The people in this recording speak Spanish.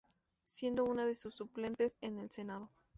Siendo una de sus suplentes en el senado.